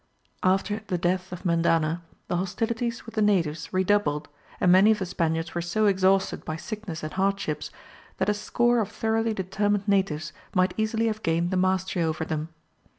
After the death of Mendana the hostilities with the natives redoubled, and many of the Spaniards were so exhausted by sickness and hardships, that a score of thoroughly determined natives might easily have gained the mastery over them.